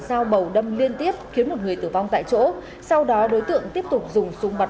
dao bầu đâm liên tiếp khiến một người tử vong tại chỗ sau đó đối tượng tiếp tục dùng súng bắn